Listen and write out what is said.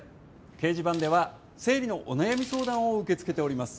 掲示板では、生理のお悩み相談を受け付けております。